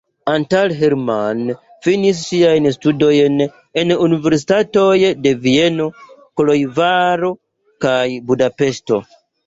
Antal Herrmann finis siajn studojn en universitatoj de Vieno, Koloĵvaro kaj Budapeŝto.